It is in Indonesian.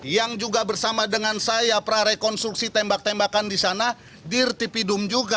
yang juga bersama dengan saya prarekonstruksi tembak tembakan di sana dirtipidum juga